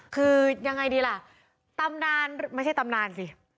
คือยังไงดีล่ะตำนานไม่ใช่ตำนานสิ